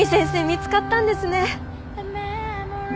見つかったんですね。